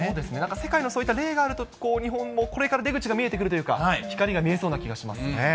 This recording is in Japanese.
世界のそういった例があると、日本もこれから出口が見えてくるというか、光が見えそうな気がしますね。